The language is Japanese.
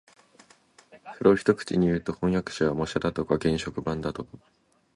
それを一口にいうと、飜訳者は模写だとか原色版だとか